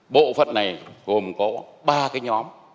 bộ phận này gồm có ba cái nhóm